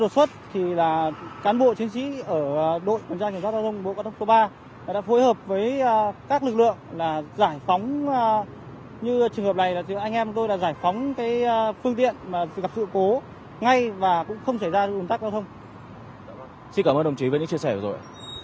xin cảm ơn đồng chí với những chia sẻ rồi